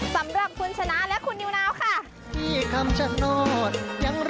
สำหรับคุณชนะและคุณนิวนาวค่ะ